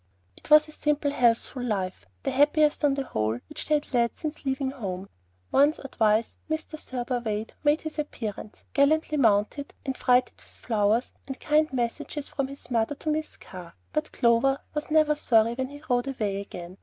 It was a simple, healthful life, the happiest on the whole which they had led since leaving home. Once or twice Mr. Thurber Wade made his appearance, gallantly mounted, and freighted with flowers and kind messages from his mother to Miss Carr; but Clover was never sorry when he rode away again.